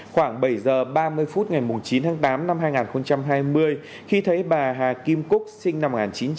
khoảng bảy h ba mươi phút ngày chín tháng tám năm hai nghìn hai mươi khi thấy bà hà kim cúc sinh năm một nghìn chín trăm tám mươi